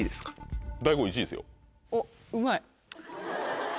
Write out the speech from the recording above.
おっうまい。